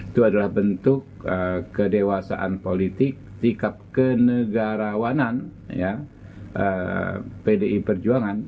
itu adalah bentuk kedewasaan politik sikap kenegarawanan pdi perjuangan